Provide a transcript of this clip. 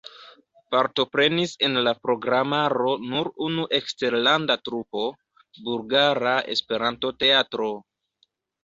Partoprenis en la programaro nur unu eksterlanda trupo: Bulgara Esperanto-Teatro.